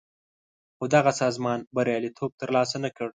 خو دغه سازمان بریالیتوب تر لاسه نه کړ.